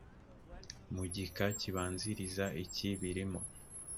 mu gika kibanziriza iki birimo